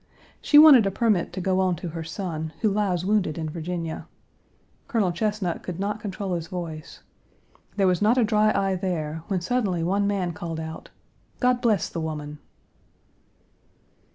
She wanted a permit to go on to her son, who lies wounded in Virginia. Colonel Chesnut could not control his voice. There was not a dry eye there, when suddenly one man called out, "God bless the woman."